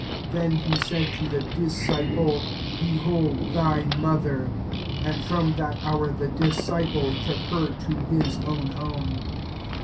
27 Then he said to the disci ple, <« Behold, thy mother." And from that hour the disci ple took her to his own home.